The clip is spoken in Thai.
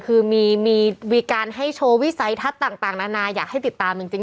คือมีการให้โชว์วิสัยทัศน์ต่างนานาอยากให้ติดตามจริง